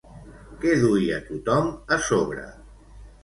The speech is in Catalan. Què duia tothom a sobre?